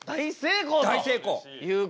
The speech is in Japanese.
大成功と。